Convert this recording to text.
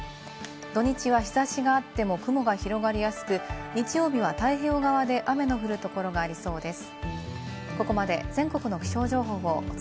土日は日差しがあっても雲が広がりやすく、日曜日は太平洋側で雨の降るところがありそうです。